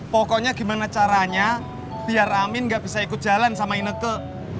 pokoknya gimana caranya biar amin gak bisa ikut jalan sama ineke